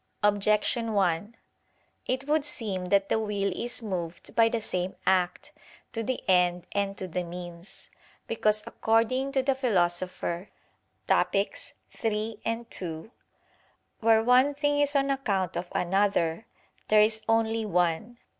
Objection 1: It would seem that the will is moved by the same act, to the end and to the means. Because according to the Philosopher (Topic. iii, 2) "where one thing is on account of another there is only one."